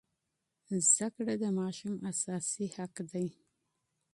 زده کړه د ماشوم مسلم حق دی.